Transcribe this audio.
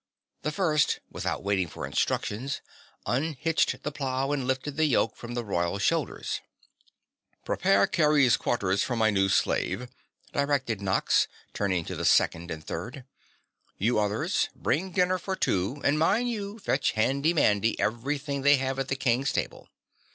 The first, without waiting for instructions unhitched the plough and lifted the yoke from the royal shoulders. "Prepare Kerry's quarters for my new slave," directed Nox, turning to the second and third. "You others, bring dinner for two, and mind you fetch Handy Mandy everything they have at the King's table."